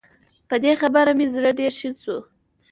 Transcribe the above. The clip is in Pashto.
په دې خبره مې زړه ډېر شين شو